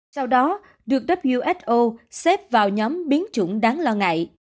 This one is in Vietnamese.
sau đó được who xếp vào nhóm biến chủng đáng lo ngại